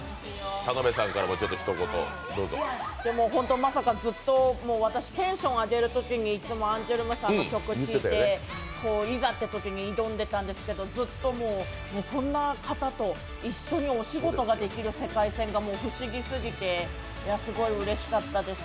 ほんとまさかずっと、私テンションを上げるときにいつもアンジュルムさんの曲聴いていざっていうときに挑んでいたんですけどずっと、そんな方と一緒にお仕事ができる世界線が不思議すぎて、すごくうれしかったです。